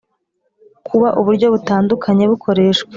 Kuba uburyo butandukanye bukoreshwa